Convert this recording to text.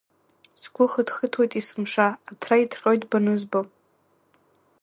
Сгәы хыҭхыҭуеит есымша, аҭра иҭҟьоит банызбо!